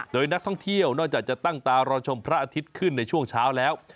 โดยนักท่องเที่ยวนอกจากจะตั้งตารอชมพระอาทิตย์ขึ้นในช่วงเช้าแล้ว